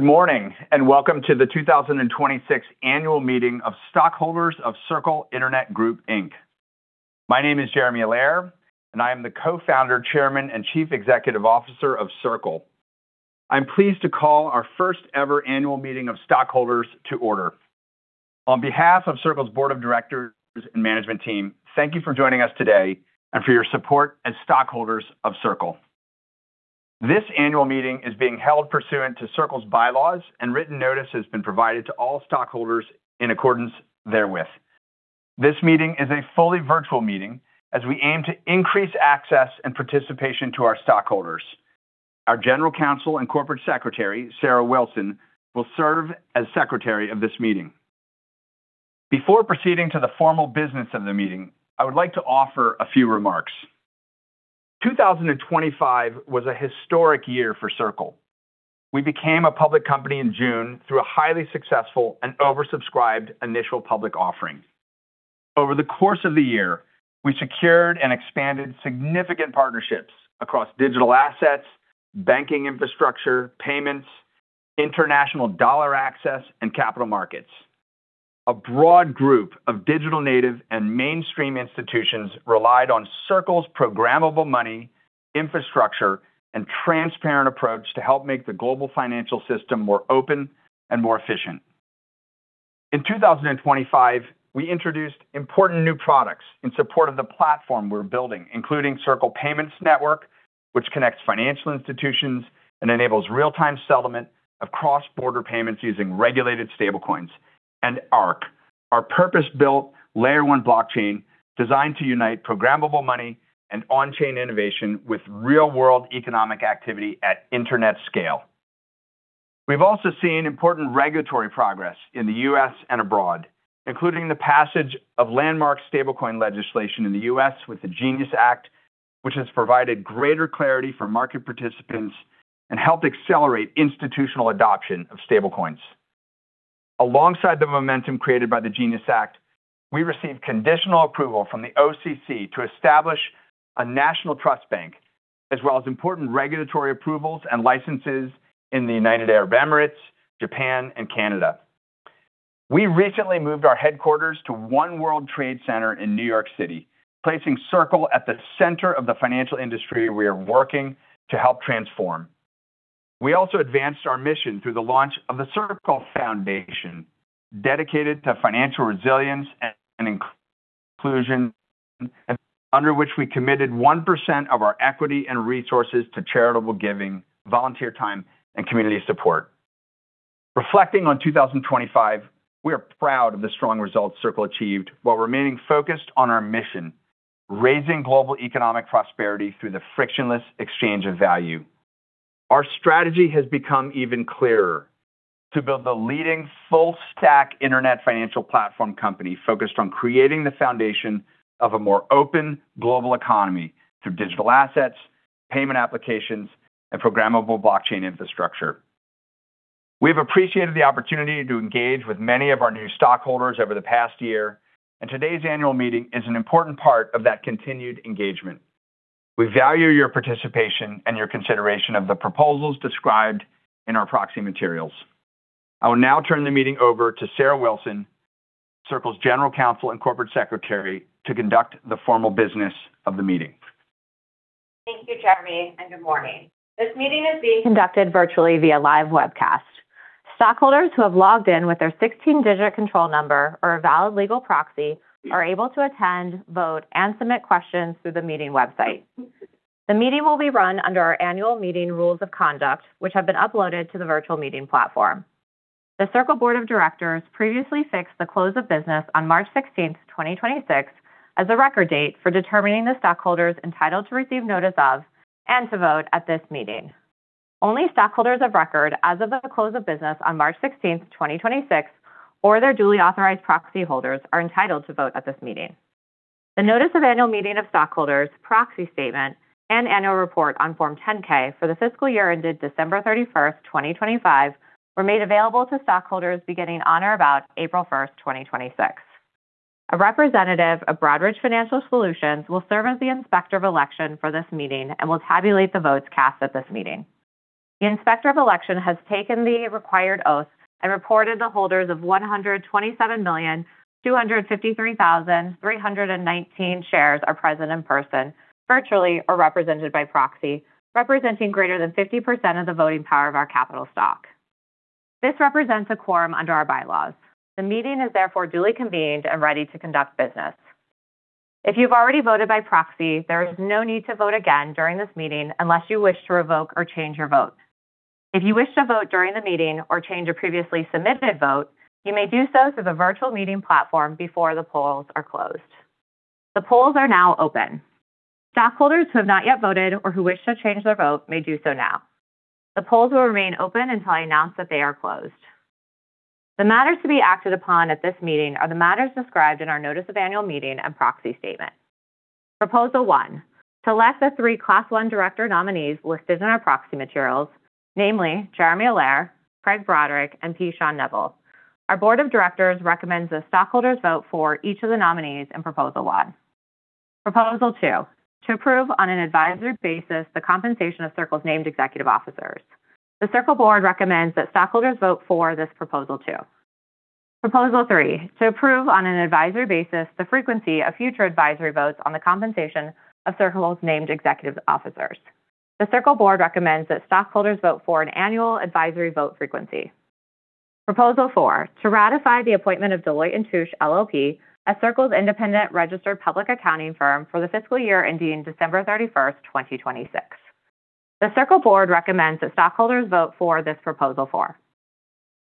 Good morning, and welcome to the 2026 annual meeting of stockholders of Circle Internet Group, Inc. My name is Jeremy Allaire, and I am the Co-Founder, Chairman, and Chief Executive Officer of Circle. I'm pleased to call our first-ever annual meeting of stockholders to order. On behalf of Circle's board of directors and management team, thank you for joining us today and for your support as stockholders of Circle. This annual meeting is being held pursuant to Circle's bylaws, and written notice has been provided to all stockholders in accordance therewith. This meeting is a fully virtual meeting as we aim to increase access and participation to our stockholders. Our General Counsel and Corporate Secretary, Sarah Wilson, will serve as secretary of this meeting. Before proceeding to the formal business of the meeting, I would like to offer a few remarks. 2025 was a historic year for Circle. We became a public company in June through a highly successful and oversubscribed initial public offering. Over the course of the year, we secured and expanded significant partnerships across digital assets, banking infrastructure, payments, international dollar access, and capital markets. A broad group of digital native and mainstream institutions relied on Circle's programmable money infrastructure and transparent approach to help make the global financial system more open and more efficient. In 2025, we introduced important new products in support of the platform we're building, including Circle Payments Network, which connects financial institutions and enables real-time settlement of cross-border payments using regulated stablecoins, and Arc, our purpose-built layer-1 blockchain designed to unite programmable money and on-chain innovation with real-world economic activity at internet scale. We've also seen important regulatory progress in the U.S. and abroad, including the passage of landmark stablecoin legislation in the U.S. with the GENIUS Act, which has provided greater clarity for market participants and helped accelerate institutional adoption of stablecoins. Alongside the momentum created by the GENIUS Act, we received conditional approval from the OCC to establish a national trust bank, as well as important regulatory approvals and licenses in the United Arab Emirates, Japan, and Canada. We recently moved our headquarters to One World Trade Center in New York City, placing Circle at the center of the financial industry we are working to help transform. We also advanced our mission through the launch of the Circle Foundation, dedicated to financial resilience and inclusion, under which we committed 1% of our equity and resources to charitable giving, volunteer time, and community support. Reflecting on 2025, we are proud of the strong results Circle achieved while remaining focused on our mission, raising global economic prosperity through the frictionless exchange of value. Our strategy has become even clearer, to build the leading full-stack internet financial platform company focused on creating the foundation of a more open global economy through digital assets, payment applications, and programmable blockchain infrastructure. We have appreciated the opportunity to engage with many of our new stockholders over the past year. Today's annual meeting is an important part of that continued engagement. We value your participation and your consideration of the proposals described in our proxy materials. I will now turn the meeting over to Sarah Wilson, Circle's general counsel and corporate secretary, to conduct the formal business of the meeting. Thank you, Jeremy, and good morning. This meeting is being conducted virtually via live webcast. Stockholders who have logged in with their 16-digit control number or a valid legal proxy are able to attend, vote, and submit questions through the meeting website. The meeting will be run under our annual meeting rules of conduct, which have been uploaded to the virtual meeting platform. The Circle board of directors previously fixed the close of business on March 16th, 2026 as a record date for determining the stockholders entitled to receive notice of and to vote at this meeting. Only stockholders of record as of the close of business on March 16th, 2026, or their duly authorized proxy holders are entitled to vote at this meeting. The notice of annual meeting of stockholders, proxy statement, and annual report on Form 10-K for the fiscal year ended December 31, 2025, were made available to stockholders beginning on or about April 1, 2026. A representative of Broadridge Financial Solutions will serve as the inspector of election for this meeting and will tabulate the votes cast at this meeting. The inspector of election has taken the required oath and reported the holders of 127,253,319 shares are present in person, virtually or represented by proxy, representing greater than 50% of the voting power of our capital stock. This represents a quorum under our bylaws. The meeting is therefore duly convened and ready to conduct business. If you've already voted by proxy, there is no need to vote again during this meeting unless you wish to revoke or change your vote. If you wish to vote during the meeting or change a previously submitted vote, you may do so through the virtual meeting platform before the polls are closed. The polls are now open. Stockholders who have not yet voted or who wish to change their vote may do so now. The polls will remain open until I announce that they are closed. The matters to be acted upon at this meeting are the matters described in our notice of annual meeting and proxy statement. Proposal 1, to elect the three Class I director nominees listed in our proxy materials, namely Jeremy Allaire, Craig Broderick, and P. Sean Neville. Our board of directors recommends the stockholders vote for each of the nominees in Proposal 1Proposal 2, to approve on an advisory basis the compensation of Circle's named executive officers. The Circle board recommends that stockholders vote for this Proposal 2. Proposal 3, to approve on an advisory basis the frequency of future advisory votes on the compensation of Circle's named executive officers. The Circle board recommends that stockholders vote for an annual advisory vote frequency. Proposal 4, to ratify the appointment of Deloitte & Touche LLP as Circle's independent registered public accounting firm for the fiscal year ending December 31st, 2026. The Circle board recommends that stockholders vote for this Proposal 4.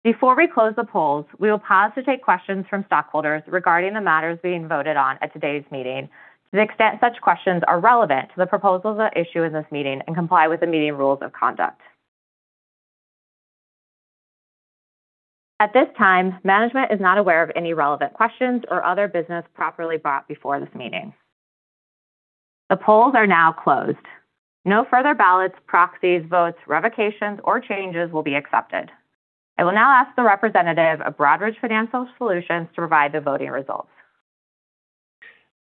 Before we close the polls, we will pause to take questions from stockholders regarding the matters being voted on at today's meeting to the extent such questions are relevant to the proposals at issue in this meeting and comply with the meeting rules of conduct. At this time, management is not aware of any relevant questions or other business properly brought before this meeting. The polls are now closed. No further ballots, proxies, votes, revocations, or changes will be accepted. I will now ask the representative of Broadridge Financial Solutions to provide the voting results.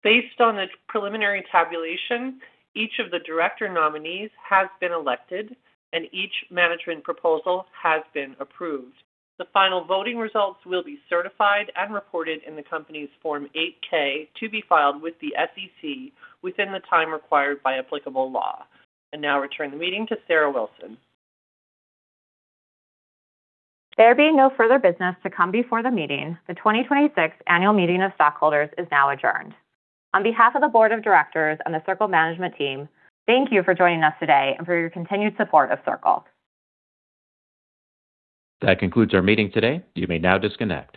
Based on the preliminary tabulation, each of the director nominees has been elected, and each management proposal has been approved. The final voting results will be certified and reported in the company's Form 8-K to be filed with the SEC within the time required by applicable law. I now return the meeting to Sarah Wilson. There being no further business to come before the meeting, the 2026 annual meeting of stockholders is now adjourned. On behalf of the board of directors and the Circle management team, thank you for joining us today and for your continued support of Circle. That concludes our meeting today. You may now disconnect.